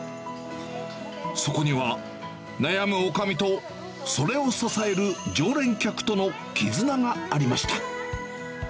そこには、悩むおかみとそれを支える常連客との絆がありました。